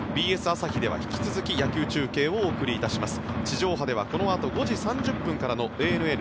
ＢＳ朝日では引き続き野球中継をお伝えします。